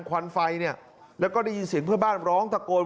ควันไฟเนี่ยแล้วก็ได้ยินเสียงเพื่อนบ้านร้องตะโกน